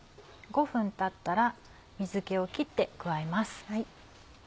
５分たったら水気を切って加えます。